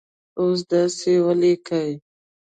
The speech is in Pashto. او داسي یې ولیکئ